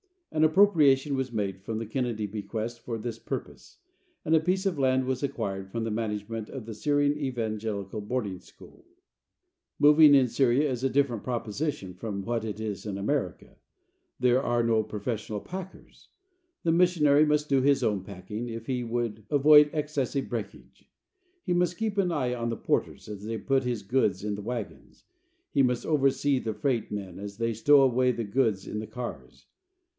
An appropriation was made from the Kennedy bequest for this purpose, and a piece of land was acquired from the management of the Syrian Evangelical Boarding School. [Illustration: HOMS] [Illustration: HEATHEN TEMPLE AND MOUNT HERMON] Moving in Syria is a different proposition from what it is in America. There are no professional packers. The missionary must do his own packing, if he would avoid excessive breakage. He must keep an eye on the porters as they put his goods in the wagons. He must oversee the freight men as they stow away the goods in the cars.